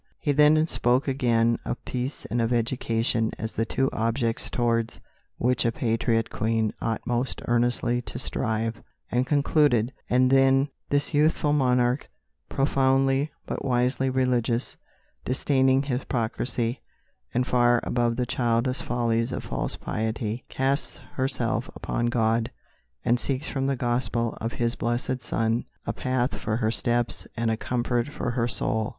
He then spoke again of peace and of education as the two objects towards which a patriot Queen ought most earnestly to strive, and concluded: "And then this youthful monarch, profoundly but wisely religious, disdaining hypocrisy, and far above the childish follies of false piety, casts herself upon God, and seeks from the Gospel of His blessed Son a path for her steps and a comfort for her soul.